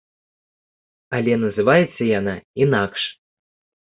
Але называецца яна інакш.